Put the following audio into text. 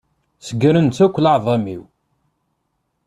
Segrent akk leεḍam-iw.